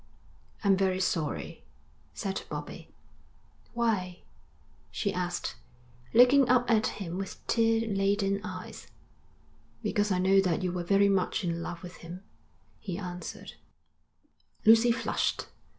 'I'm very sorry,' said Bobbie. 'Why?' she asked, looking up at him with tear laden eyes. 'Because I know that you were very much in love with him,' he answered. Lucy flushed.